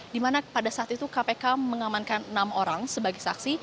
di mana pada saat itu kpk mengamankan enam orang sebagai saksi